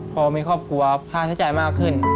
พอมีครอบครัวผ้าเศรษฐานมากขึ้น